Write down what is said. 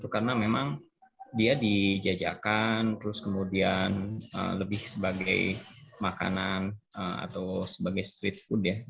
karena memang dia dijajakan terus kemudian lebih sebagai makanan atau sebagai street food ya